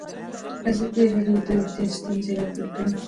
ازادي راډیو د روغتیا ستونزې راپور کړي.